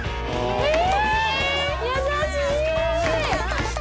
えっ！